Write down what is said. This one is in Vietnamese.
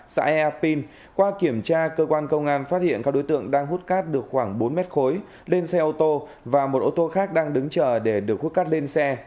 sau kiểm tra cơ quan công an phát hiện các đối tượng đang hút cát được khoảng bốn m khối lên xe ô tô và một ô tô khác đang đứng chờ để được hút cát lên xe